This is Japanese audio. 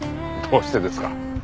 どうしてですか？